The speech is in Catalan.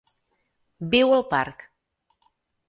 Viu al parc.